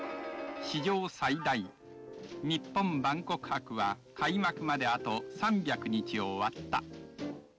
史上最大、日本万国博は開幕まであと３００日を割った。